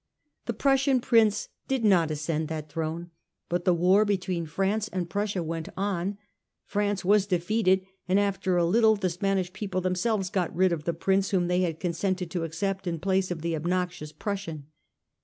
The Prussian prince did not ascend that throne; but the war between France and Prus sia went on ; France was defeated ; and after a little the Spanish people themselves got rid of the prince whom they had consented to accept in place of the obnoxious Prussian.